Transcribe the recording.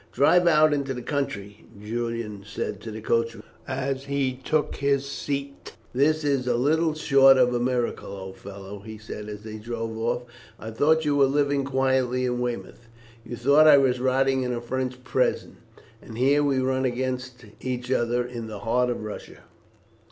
"Drive out into the country," Julian said to the coachman as he took his seat. "This is little short of a miracle, old fellow," he said, as they drove off. "I thought you were living quietly at Weymouth; you thought I was rotting in a French prison, and here we run against each other in the heart of Russia."